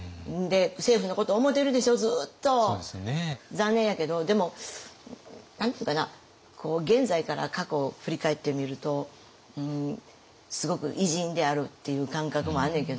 残念やけどでも何て言うかな現在から過去を振り返ってみるとすごく偉人であるっていう感覚もあんねんけど。